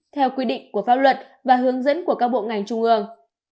theo quy định của pháp luật và hướng dẫn của các bộ ngành trung ương